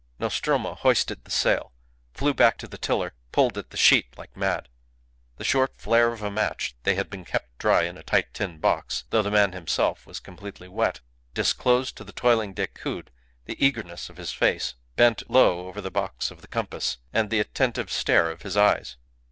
Nostromo hoisted the sail, flew back to the tiller, pulled at the sheet like mad. The short flare of a match (they had been kept dry in a tight tin box, though the man himself was completely wet), disclosed to the toiling Decoud the eagerness of his face, bent low over the box of the compass, and the attentive stare of his eyes.